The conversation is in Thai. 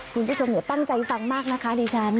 คุณผู้ชมตั้งใจฟังมากนะคะดิฉัน